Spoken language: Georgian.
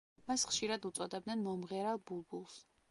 მას ხშირად უწოდებდნენ მომღერალ „ბულბულს“.